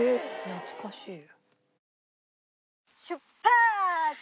懐かしい。